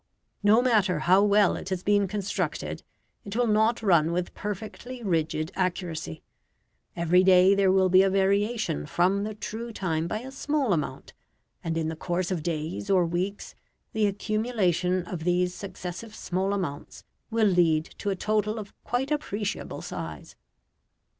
No matter how well it has been constructed, it will not run with perfectly rigid accuracy. Every day there will be a variation from the true time by a small amount, and in the course of days or weeks the accumulation of these successive small amounts will lead to a total of quite appreciable size.